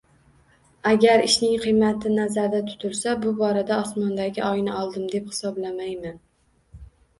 Agar ishning qiymati nazarda tutilsa, bu borada osmondagi oyni oldim, deb hisoblamayman